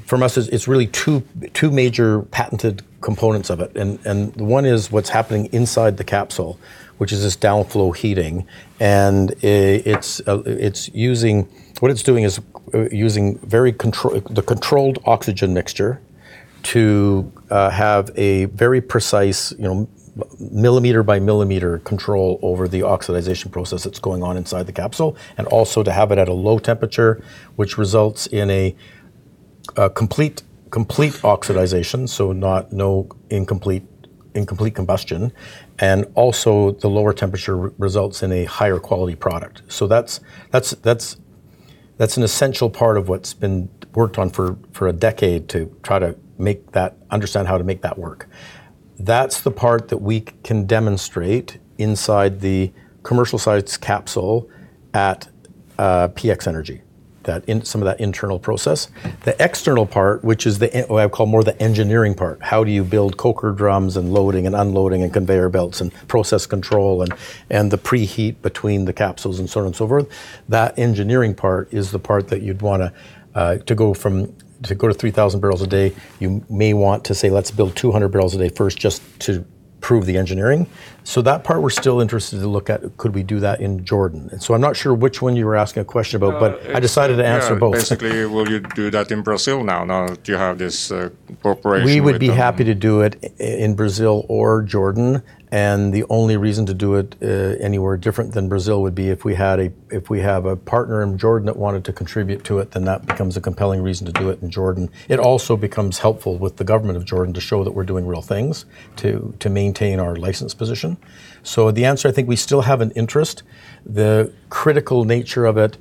for us, it's really two major patented components of it. One is what's happening inside the capsule, which is this downflow heating, and what it's doing is, using very control... the controlled oxygen mixture to have a very precise, you know, millimeter by millimeter control over the oxidization process that's going on inside the capsule, and also to have it at a low temperature, which results in a complete oxidization, so not no incomplete combustion, and also the lower temperature results in a higher quality product. That's an essential part of what's been worked on for a decade to try to make that understand how to make that work. That's the part that we can demonstrate inside the commercial-sized capsule at PX Energy, that some of that internal process. The external part, which is the in... What I call more the engineering part, how do you build coke drums and loading and unloading and conveyor belts and process control and the pre-heat between the capsules and so on and so forth, that engineering part is the part that you'd wanna to go to 3,000 barrels a day, you may want to say, "Let's build 200 barrels a day first, just to prove the engineering." That part, we're still interested to look at, could we do that in Jordan? I'm not sure which one you were asking a question about. Yeah. I decided to answer both. Will you do that in Brazil now that you have this cooperation with them? We would be happy to do it in Brazil or Jordan, and the only reason to do it anywhere different than Brazil would be if we have a partner in Jordan that wanted to contribute to it, then that becomes a compelling reason to do it in Jordan. It also becomes helpful with the government of Jordan to show that we're doing real things to maintain our license position. The answer, I think we still have an interest. The critical nature of it,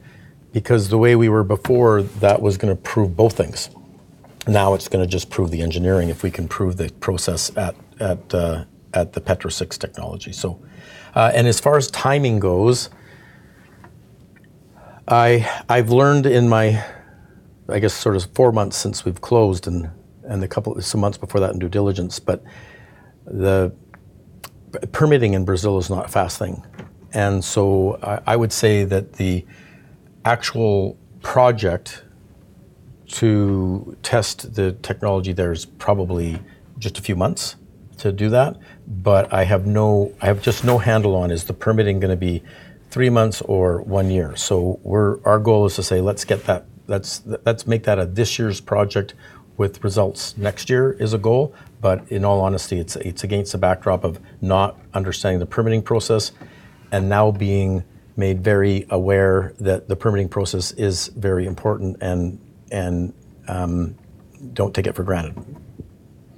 because the way we were before, that was gonna prove both things. Now it's gonna just prove the engineering, if we can prove the process at the Petrosix's technology. As far as timing goes, I've learned in my, I guess, sort of four months since we've closed and the couple... Some months before that in due diligence, but the permitting in Brazil is not a fast thing. I would say that the actual project to test the technology there is probably just a few months to do that, but I have just no handle on, is the permitting gonna be three months or one year? Our goal is to say, "Let's make that a this year's project with results next year," is a goal. In all honesty, it's against the backdrop of not understanding the permitting process and now being made very aware that the permitting process is very important, and, don't take it for granted.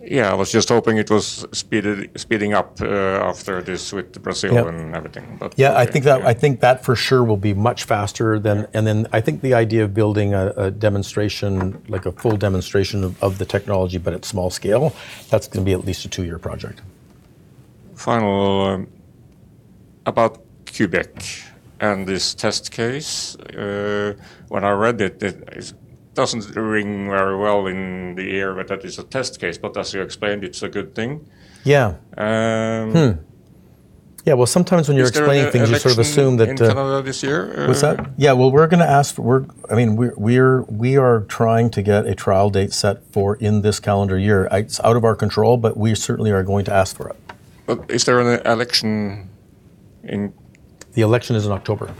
Yeah, I was just hoping it was speeding up, after this with Brazil- Yeah and everything, but- Yeah, I think. Yeah I think that for sure will be much faster than- Yeah. I think the idea of building a demonstration, like a full demonstration of the technology, but at small scale, that's gonna be at least a two-year project. Final, about Quebec and this test case. When I read it doesn't ring very well in the ear that that is a test case. As you explained, it's a good thing. Yeah. Yeah, well, sometimes when you're explaining things. Is there election- You sort of assume that. in Canada this year? What's that? Yeah, well, we're gonna ask. I mean, we are trying to get a trial date set for in this calendar year. It's out of our control. We certainly are going to ask for it. Is there an election? The election is in October.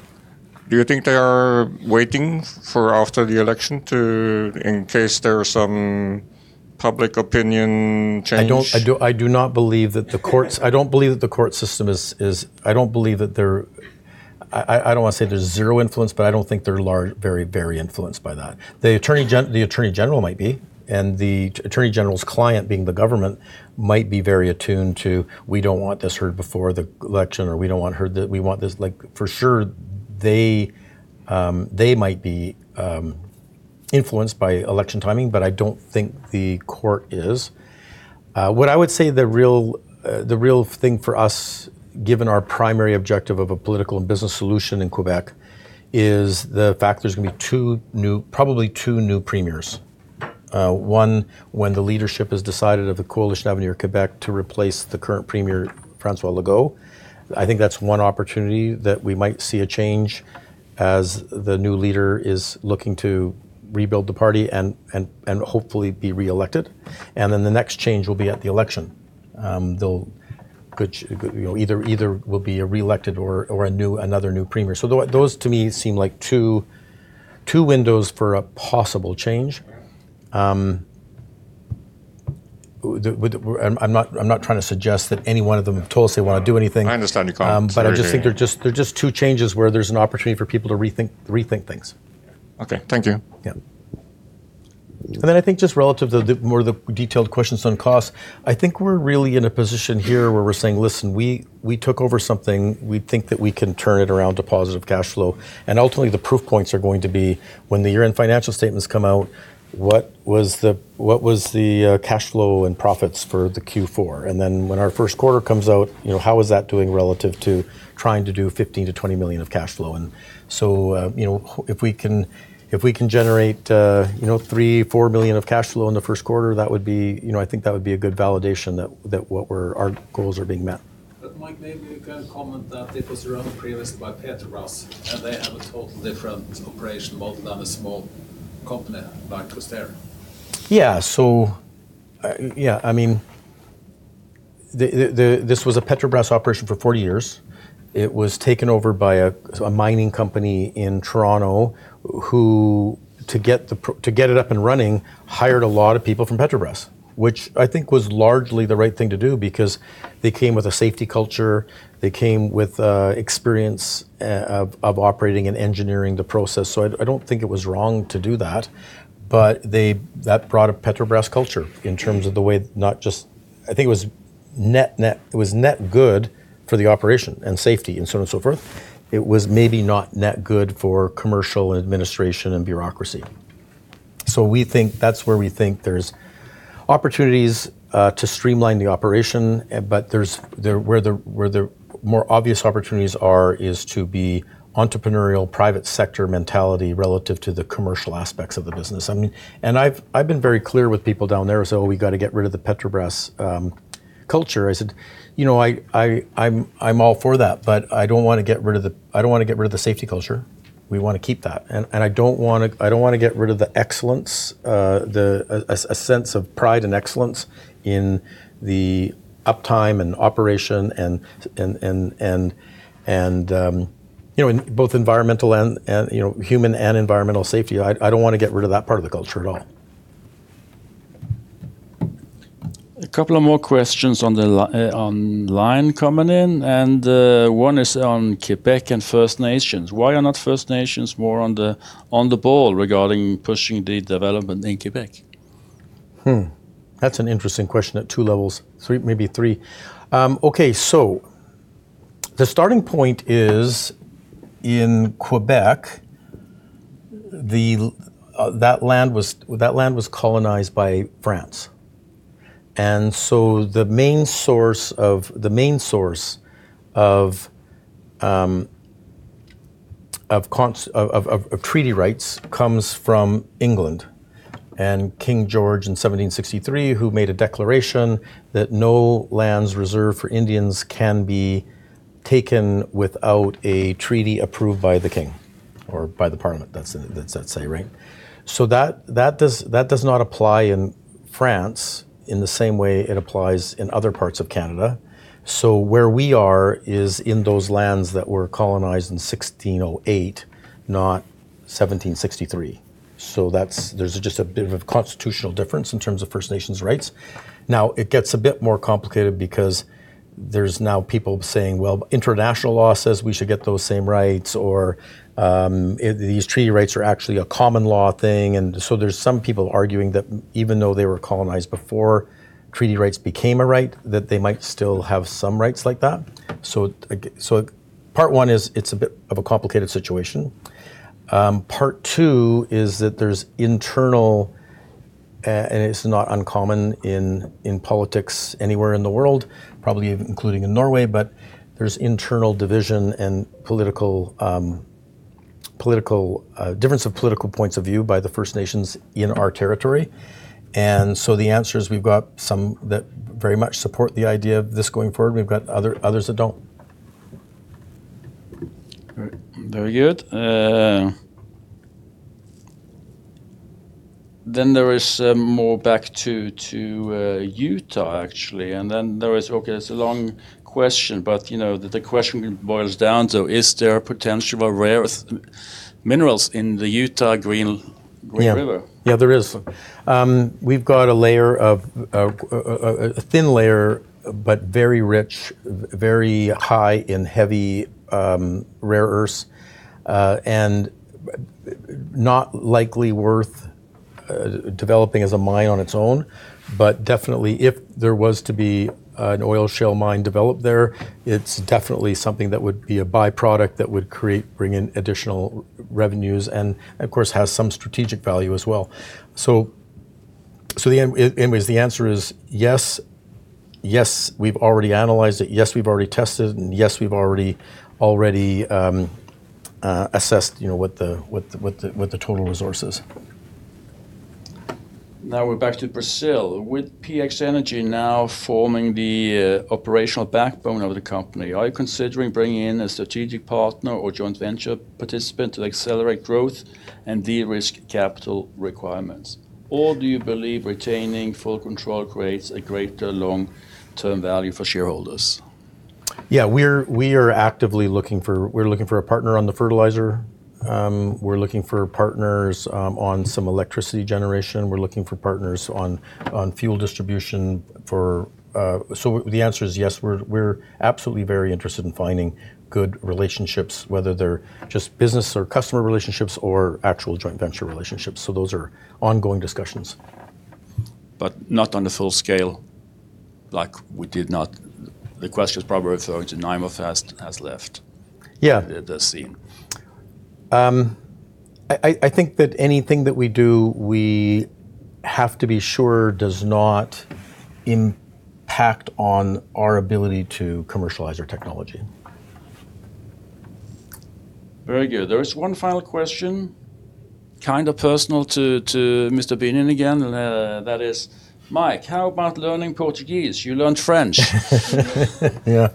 Do you think they are waiting for after the election to, in case there are some public opinion change? I do not believe that the court system is. I don't believe that they're... I don't wanna say there's zero influence, but I don't think they're large, very influenced by that. The attorney general might be, and the attorney general's client, being the government, might be very attuned to, "We don't want this heard before the election," or "We don't want heard that... We want this..." Like, for sure, they might be influenced by election timing, but I don't think the court is. What I would say the real thing for us, given our primary objective of a political and business solution in Quebec, is the fact there's gonna be probably 2 new premiers. One, when the leadership is decided of the Coalition Avenir Québec to replace the current premier, François Legault. I think that's one opportunity that we might see a change as the new leader is looking to rebuild the party and hopefully be re-elected. The next change will be at the election. They'll good, you know, either will be a re-elected or a new, another new premier. Those, to me, seem like two windows for a possible change. I'm not trying to suggest that any one of them have told us they wanna do anything. I understand your comment. Sorry, yeah. I just think they're just two changes where there's an opportunity for people to rethink things. Okay. Thank you. Yeah. Then I think just relative to the more of the detailed questions on cost, I think we're really in a position here where we're saying, "Listen, we took over something. We think that we can turn it around to positive cash flow." Ultimately, the proof points are going to be when the year-end financial statements come out, what was the cash flow and profits for the Q4? Then when our Q1 comes out, you know, how is that doing relative to trying to do 15-20 million of cash flow? you know, if we can generate, you know, 3-4 million of cash flow in the first quarter, that would be. You know, I think that would be a good validation that what we're our goals are being met. Mike, maybe you can comment that it was run previously by Petrobras, and they have a total different operation, rather than a small company like Questerre. I mean, this was a Petrobras operation for 40 years. It was taken over by a mining company in Toronto, who to get it up and running, hired a lot of people from Petrobras, which I think was largely the right thing to do because they came with a safety culture, they came with experience of operating and engineering the process. I don't think it was wrong to do that. That brought a Petrobras culture in terms of the way. I think it was net good for the operation and safety, and so on and so forth. It was maybe not net good for commercial, administration, and bureaucracy. That's where we think there's opportunities to streamline the operation, but where the more obvious opportunities are, is to be entrepreneurial, private sector mentality relative to the commercial aspects of the business. I mean, I've been very clear with people down there, "We've got to get rid of the Petrobras culture." I said, "You know, I'm all for that, but I don't wanna get rid of the safety culture. We wanna keep that. And I don't wanna get rid of the excellence, a sense of pride and excellence in the uptime and operation, and, you know, in both environmental and, you know, human and environmental safety. I don't wanna get rid of that part of the culture at all. A couple of more questions on the online coming in, and, one is on Quebec and First Nations. Why are not First Nations more on the ball regarding pushing the development in Quebec? That's an interesting question at two levels, maybe three. Okay, the starting point is, in Quebec, the, that land was colonized by France, the main source of treaty rights comes from England and King George in 1763, who made a declaration that no lands reserved for Indians can be taken without a treaty approved by the king or by the parliament. That's, let's say, right? That does not apply in France in the same way it applies in other parts of Canada. Where we are is in those lands that were colonized in 1608, not 1763. That's there's just a bit of a constitutional difference in terms of First Nations rights. It gets a bit more complicated because there's now people saying, "Well, international law says we should get those same rights," or, "These treaty rights are actually a common law thing." There's some people arguing that even though they were colonized before treaty rights became a right, that they might still have some rights like that. Part one is, it's a bit of a complicated situation. Part two is that there's internal. It's not uncommon in politics anywhere in the world, probably including in Norway, but there's internal division and political difference of political points of view by the First Nations in our territory. The answer is, we've got some that very much support the idea of this going forward, and we've got others that don't. Great. Very good. There is more back to Utah, actually. Okay, it's a long question, but, you know, the question boils down to: Is there potential rare earth minerals in the Utah Green River? Yeah. Yeah, there is. We've got a layer of a thin layer, but very rich, very high in heavy rare earths, and not likely worth developing as a mine on its own. Definitely, if there was to be an oil shale mine developed there, it's definitely something that would be a by-product that would create, bring in additional revenues, and, of course, has some strategic value as well. Anyways, the answer is yes. Yes, we've already analyzed it, yes, we've already tested, and yes, we've already assessed, you know, what the total resource is. Now we're back to Brazil. With PX Energy now forming the operational backbone of the company, are you considering bringing in a strategic partner or joint venture participant to accelerate growth and de-risk capital requirements? Or do you believe retaining full control creates a greater long-term value for shareholders? Yeah, we are actively looking for a partner on the fertilizer. We're looking for partners on some electricity generation. We're looking for partners on fuel distribution for... The answer is yes. We're absolutely very interested in finding good relationships, whether they're just business or customer relationships or actual joint venture relationships. Those are ongoing discussions.... but not on the full scale, like we did not. The question is probably referring to Nima Fast has left- Yeah It does seem. I think that anything that we do, we have to be sure does not impact on our ability to commercialize our technology. Very good. There is one final question, kind of personal to Mr. Binnion again, that is, "Mike, how about learning Portuguese? You learned French. Yeah.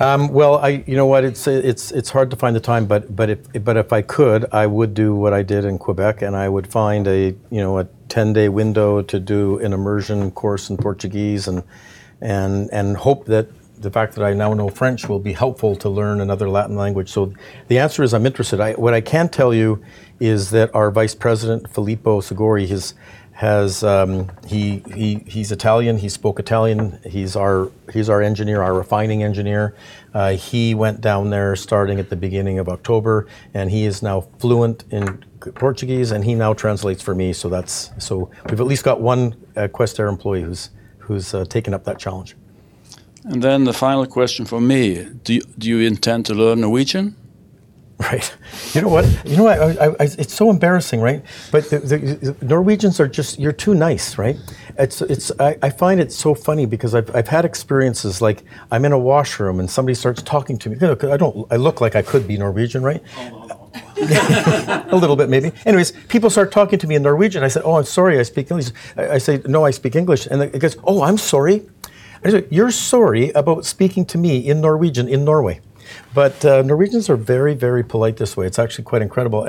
Well, I, you know what? It's hard to find the time, but if I could, I would do what I did in Quebec, and I would find a, you know, a 10-day window to do an immersion course in Portuguese and hope that the fact that I now know French will be helpful to learn another Latin language. The answer is, I'm interested. What I can tell you is that our Vice President, Filippo Segneri, he's Italian, he spoke Italian. He's our engineer, our refining engineer. He went down there starting at the beginning of October, and he is now fluent in Portuguese, and he now translates for me. We've at least got one Questerre employee who's taken up that challenge. The final question from me: do you intend to learn Norwegian? Right. You know what? You know what? I... It's so embarrassing, right? The Norwegians are just... You're too nice, right? It's... I find it so funny because I've had experiences like, I'm in a washroom, and somebody starts talking to me. Yeah, 'cause I look like I could be Norwegian, right? Hold, hold, hold. A little bit, maybe. Anyways, people start talking to me in Norwegian. I say, "Oh, I'm sorry, I speak English." I say, "No, I speak English." The guy's, "Oh, I'm sorry?" I say, "You're sorry about speaking to me in Norwegian in Norway." Norwegians are very, very polite this way. It's actually quite incredible.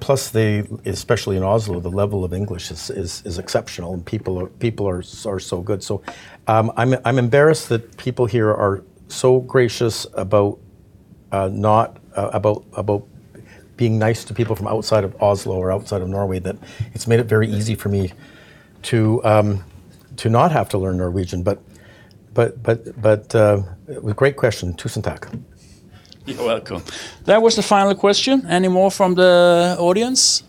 Plus, they, especially in Oslo, the level of English is exceptional, and people are so good. I'm embarrassed that people here are so gracious about not about being nice to people from outside of Oslo or outside of Norway, that it's made it very easy for me to not have to learn Norwegian. A great question. Tusen takk. You're welcome. That was the final question. Any more from the audience?